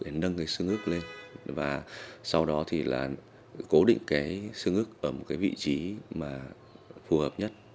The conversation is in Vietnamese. để nâng cái xương ức lên và sau đó thì là cố định cái xương ức ở một cái vị trí mà phù hợp nhất